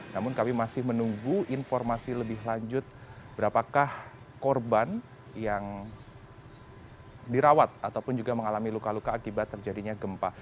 namun kami masih menunggu informasi lebih lanjut berapakah korban yang dirawat ataupun juga mengalami luka luka akibat terjadinya gempa